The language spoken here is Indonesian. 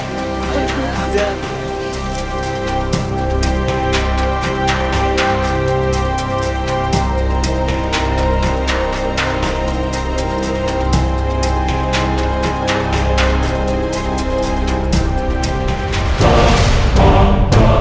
nah sekarang vez